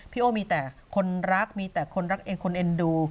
โอ้มีแต่คนรักมีแต่คนรักเองคนเอ็นดู